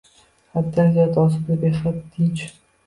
Haddan ziyod osuda, behad tinch